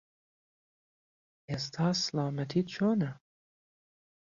ئێستا سڵامەتیت چۆنە؟